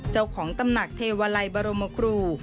เจ้าของตำหนักเทวาลัยบรมครู